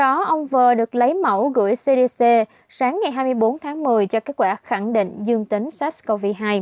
ông v được lấy mẫu gửi cdc sáng ngày hai mươi bốn tháng một mươi cho kết quả khẳng định dương tính sars cov hai